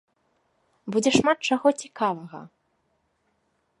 Будзе шмат чаго цікавага!